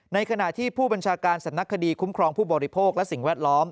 ในขณะที่ผู้บัญชาการสำนักคดีคุ้มครองผู้บริโภคและสิ่งแวดล้อม